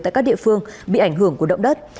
tại các địa phương bị ảnh hưởng của động đất